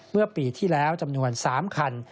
เมื่อปีที่แล้วจำนวน๓คัน